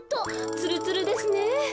つるつるですね。